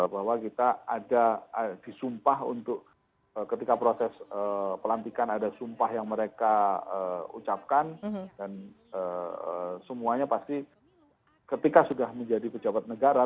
bahwa kita ada disumpah untuk ketika proses pelantikan ada sumpah yang mereka ucapkan dan semuanya pasti ketika sudah menjadi pejabat negara